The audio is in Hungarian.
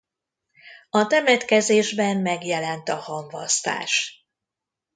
A temetkezésben megjelent a hamvasztás.